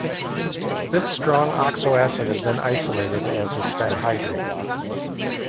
This strong oxoacid has been isolated as its dihydrate.